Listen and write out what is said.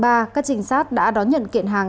các trinh sát đã đón nhận kiện hàng